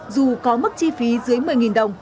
dù có mức chi phí dưới một mươi đồng